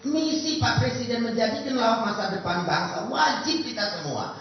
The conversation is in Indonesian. misi pak presiden menjadikan lawan masa depan bangsa wajib kita semua